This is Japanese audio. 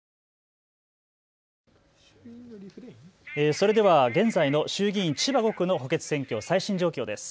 それでは、現在の衆議院千葉５区の補欠選挙、最新状況です。